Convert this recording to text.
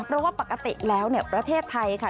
เพราะว่าปกติแล้วเนี่ยประเทศไทยค่ะ